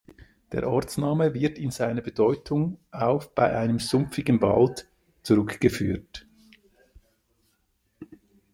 Der Ortsname wird in seiner Bedeutung auf „bei einem sumpfigen Wald“ zurückgeführt.